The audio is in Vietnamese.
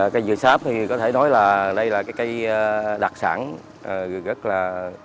cây dừa sáp thì có thể nói là đây là cái cây đặc sản rất là